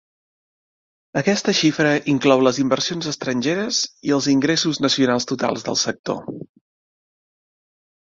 Aquesta xifra inclou les inversions estrangeres i els ingressos nacionals totals del sector.